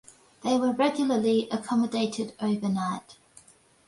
They were regularly accommodated overnight.